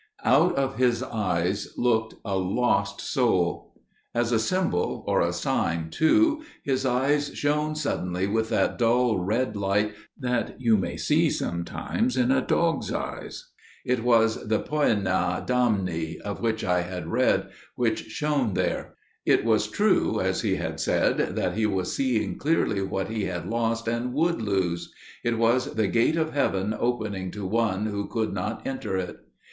"Out of his eyes looked a lost soul. As a symbol, or a sign, too, his eyes shone suddenly with that dull red light that you may see sometimes in a dog's eyes. It was the poena damni of which I had read, which shone there. It was true, as he had said, that he was seeing clearly what he had lost and would lose; it was the gate of heaven opening to one who could not enter in.